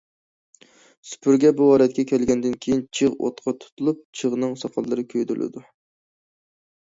سۈپۈرگە بۇ ھالەتكە كەلگەندىن كېيىن چىغ ئوتقا تۇتۇلۇپ، چىغنىڭ ساقاللىرى كۆيدۈرۈلىدۇ.